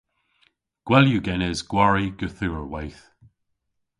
Gwell yw genes gwari gorthugherweyth.